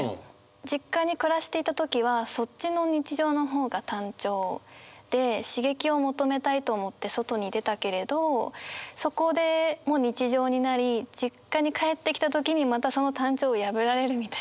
実家に暮らしていた時はそっちの日常の方が単調で刺激を求めたいと思って外に出たけれどそこでも日常になり実家に帰ってきた時にまたその単調を破られるみたいな。